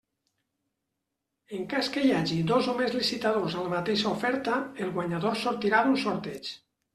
En cas que hi hagi dos o més licitadors amb la mateixa oferta, el guanyador sortirà d'un sorteig.